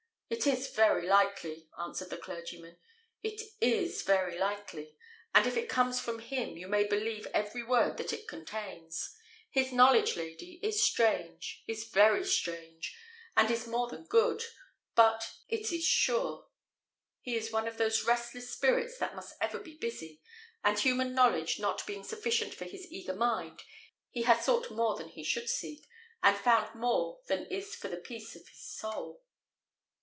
"It is very likely," answered the clergyman: "it is very likely; and if it comes from him, you may believe every word that it contains. His knowledge, lady, is strange, is very strange, and is more than good, but it is sure. He is one of those restless spirits that must ever be busy; and, human knowledge not being sufficient for his eager mind, he has sought more than he should seek, and found more than is for the peace of his soul."